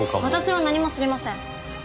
私は何も知りません！